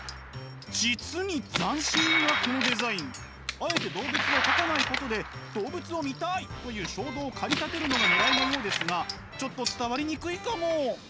あえて動物を描かないことで「動物を見たい！」という衝動を駆り立てるのがねらいのようですがちょっと伝わりにくいかも。